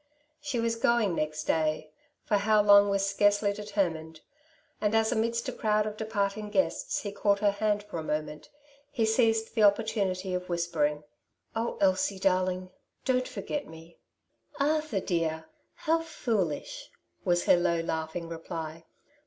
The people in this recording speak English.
She was going next day — for how long waa scarcely determined ; and as amidst a crowd of de parting guests he caught her hand for a moment, he seized the opportunity of whispering, —'^ Oh, Elsie darling, don^t forget me !'^" Arthur dear, how foolish !'' was her low, laughing reply.